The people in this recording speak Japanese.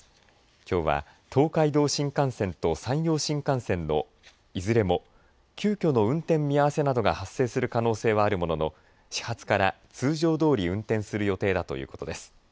きょうは東海道新幹線と山陽新幹線のいずれも急きょの運転見合わせなどが発生するおそれがあるものの始発から通常通り運転する予定だということです。